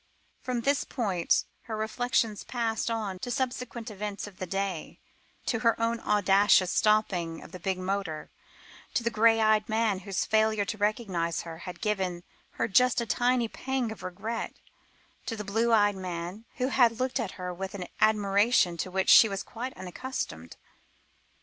From this point her reflections passed on to subsequent events of the day: to her own audacious stopping of the big motor; to the grey eyed man whose failure to recognise her had given her just a tiny pang of regret; to the blue eyed man, who had looked at her with an admiration to which she was quite unaccustomed.